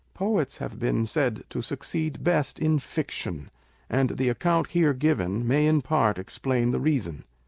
Poets have been said to succeed best in fiction ; and the account here given may in part explain the reason.